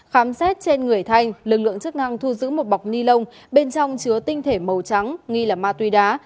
khám xét trên người thanh lực lượng chức năng thu giữ một bọc ni lông bên trong chứa tinh thể màu trắng nghi là ma túy đá